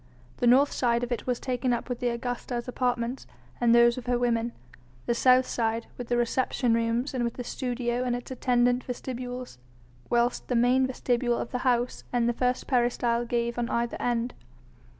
The north side of it was taken up with the Augusta's apartments and those of her women, the south side with the reception rooms and with the studio and its attendant vestibules, whilst the main vestibule of the house and the first peristyle gave on either end.